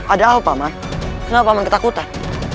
ada apa mak kenapa mak tertakutan